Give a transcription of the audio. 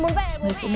mắt vẫn lờm cô hả